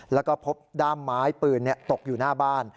แล้วก็พบด้ามไม้ปืนตกอยู่หน้าบ้าน